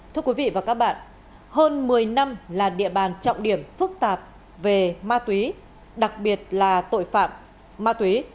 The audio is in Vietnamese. thưa quý vị và các bạn hơn một mươi năm là địa bàn trọng điểm phức tạp về ma túy đặc biệt là tội phạm ma túy